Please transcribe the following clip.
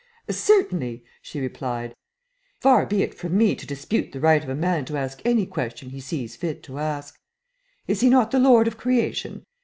"Certainly," she replied. "Far be it from me to dispute the right of a man to ask any question he sees fit to ask. Is he not the lord of creation?